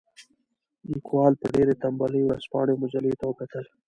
لیکوال په ډېرې تنبلۍ ورځپاڼې او مجلې ته وکتل.